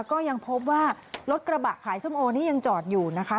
ก็ยังพบว่ารถกระบะขายส้มโอนี่ยังจอดอยู่นะคะ